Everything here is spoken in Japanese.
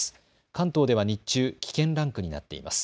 関東では日中危険ランクになっています。